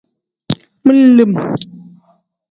Men-lim.